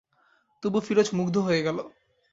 তবু ফিরোজ মুগ্ধ হয়ে গেল।